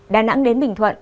đà nẵng đến bình thuận